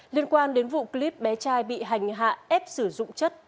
liên quan đến vụ clip bé trai bị hành hạ ép sử dụng chất